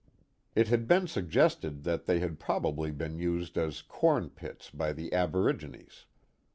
It had been suggested that they had probably been used as corn pits by the aborigines.